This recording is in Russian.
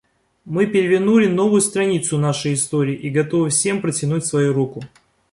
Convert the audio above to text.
Мы перевернули новую страницу нашей истории и готовы всем протянуть свою руку.